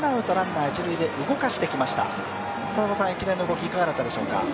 一連の動き、いかがだったでしょうか？